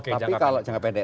oke jangka panjang